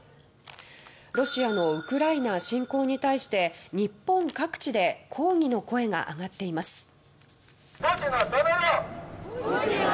ロシアのウクライナ侵攻に対して日本各地で抗議の声が上がっています。